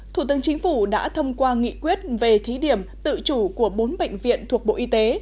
thủ tướng chính phủ đã thông qua nghị quyết về thí điểm tự chủ của bốn bệnh viện thuộc bộ y tế